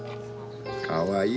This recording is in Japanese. かわいい。